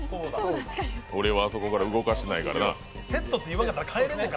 俺はあそこから動かしてないからな。